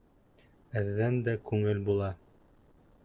Әҙҙән дә күңел була.